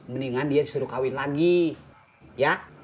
mendingan dia disuruh kawin lagi ya